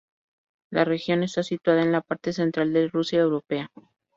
La región está situada en la parte central de la Rusia europea.